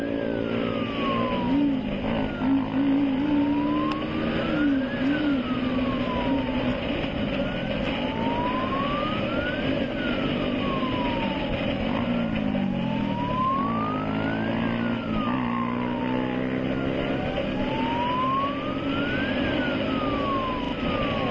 กัน